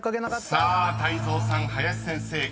［さあ泰造さん林先生クリア］